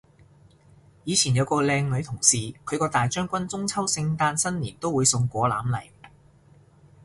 以前有個靚女同事，佢個大將軍中秋聖誕新年都會送果籃嚟